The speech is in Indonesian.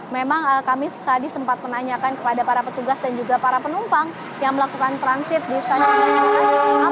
memang kami tadi sempat menanyakan kepada para petugas dan juga para penumpang yang melakukan transit di stasiun